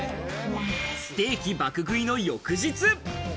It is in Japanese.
ステキ爆食いの翌日。